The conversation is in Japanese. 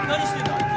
あいつ。